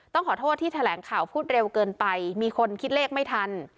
ขอโทษที่แถลงข่าวพูดเร็วเกินไปมีคนคิดเลขไม่ทัน